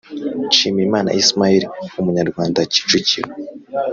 Nshimiyimana ismael umunyarwanda kicukiro